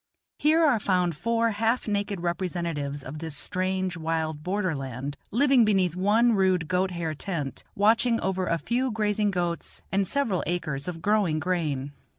Here are found four half naked representatives of this strange, wild border land, living beneath one rude goat hair tent, watching over a few grazing goats and several acres of growing grain.